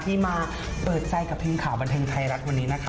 ที่มาเปิดใจกับทีมข่าวบันเทิงไทยรัฐวันนี้นะคะ